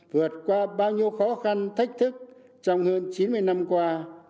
vượt qua bao nhiêu khó khăn thách thức trong hơn chín mươi năm qua